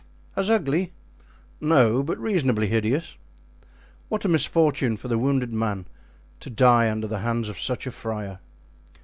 "As ugly?" "No, but reasonably hideous." "What a misfortune for the wounded man to die under the hands of such a friar!"